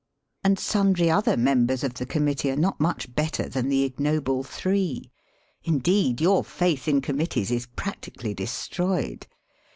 And sundry other members of the Committee are not much better than the Ignoble three. In deed, your faith in Committees is practically de stroyed.